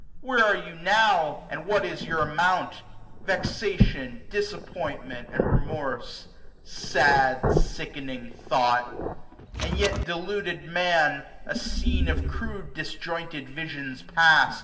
2 to Where are you now ? and what is your amount ? Vexation, disappointment, and remorse. Sad, sickening thought ! and yet deluded Man, A scene of crude disjointed visions past.